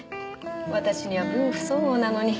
私には分不相応なのに。